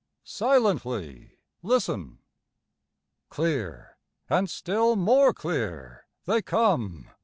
Silently listen! Clear, and still more clear, they come.